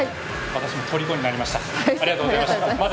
私もとりこになりました。